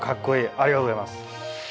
ありがとうございます。